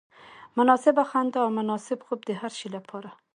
مناسبه خندا او مناسب خوب د هر شي لپاره.